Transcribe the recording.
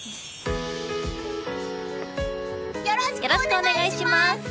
よろしくお願いします！